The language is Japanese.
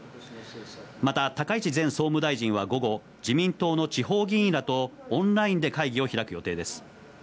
また高市前総務大臣は午後、自民党の地方議員らとオンラインで会議を開く予定です。